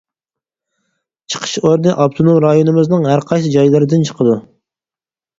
چىقىش ئورنى ئاپتونوم رايونىمىزنىڭ ھەر قايسى جايلىرىدىن چىقىدۇ.